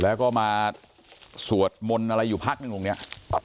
แล้วก็มาสวดมนต์อะไรอยู่พักหนึ่งตรงนี้